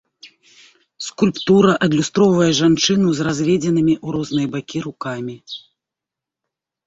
Скульптура адлюстроўвае жанчыну з разведзенымі ў розныя бакі рукамі.